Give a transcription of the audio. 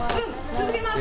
続けます。